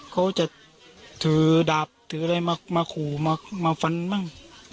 เขาจะถือดาบถืออะไรมาขู่มาฟันมั่ง